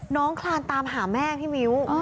คลานตามหาแม่พี่มิ้ว